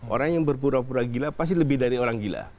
orang yang berpura pura gila pasti lebih dari orang gila